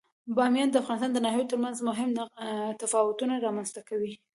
بامیان د افغانستان د ناحیو ترمنځ مهم تفاوتونه رامنځ ته کوي.